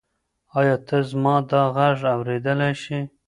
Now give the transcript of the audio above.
ایا ته زما دا غږ اورېدلی شې؟